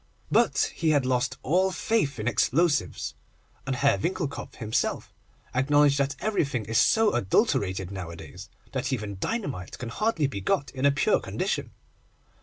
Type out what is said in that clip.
But he had lost all faith in explosives, and Herr Winckelkopf himself acknowledged that everything is so adulterated nowadays, that even dynamite can hardly be got in a pure condition.